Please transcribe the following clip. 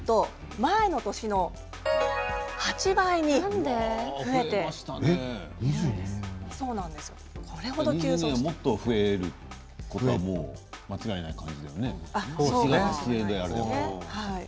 来年にはもっと増えること間違いない感じだよね。